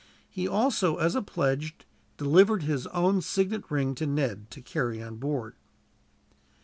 He also, as a pledge, delivered his own signet ring to Ned, to carry on board.